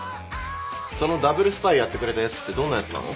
そのダブルスパイやってくれたやつってどんなやつなの？